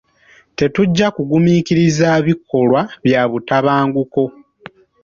Tetujja kugumiikiriza bikolwa bya butabanguko.